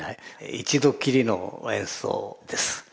一度っきりの演奏です。